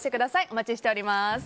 お待ちしております。